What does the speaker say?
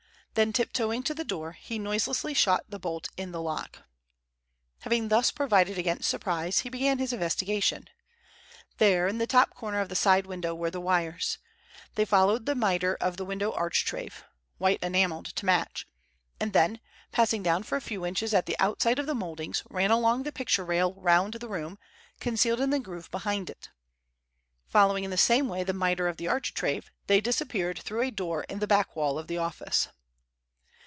Then tip toeing to the door, he noiselessly shot the bolt in the lock. Having thus provided against surprise, he began his investigation. There in the top corner of the side window were the wires. They followed the miter of the window architrave—white enameled to match—and then, passing down for a few inches at the outside of the moldings, ran along the picture rail round the room, concealed in the groove behind it. Following in the same way the miter of the architrave, they disappeared though a door in the back wall of the office.